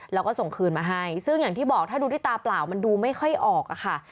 แล้วก็ส่งคืนมาให้ซึ่งอย่างที่บอกถ้าดูด้วยตาเปล่ามันดูไม่ค่อยออกอะค่ะ